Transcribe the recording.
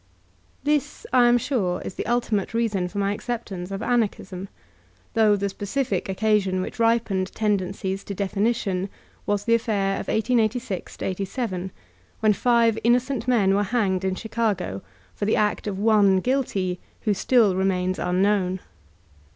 This, I am sure, is the ultimate reason for my accep ance of Anarchism, though the specific occasion which ripened tendencies to definition was the affair of 1886 7, when five innocent men were hanged in Chicago for the act of one guilty who still remains unknown.